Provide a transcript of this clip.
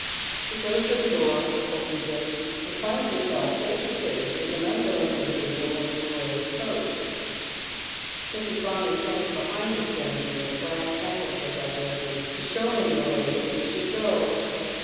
He goes to the door, opens it, and finds himself face to face with an unknown individual in a gray coat. Mrs. Bonny stands behind the stranger with a brass candlestick uplifted, to show him the way that he should go.